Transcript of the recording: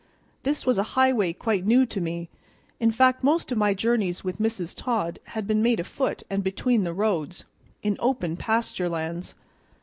This was a highway quite new to me; in fact, most of my journeys with Mrs. Todd had been made afoot and between the roads, in open pasturelands.